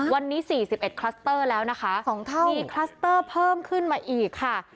อ๋อวันนี้สี่สิบเอ็ดแล้วนะคะสองเท่านึงมีเพิ่มขึ้นมาอีกค่ะ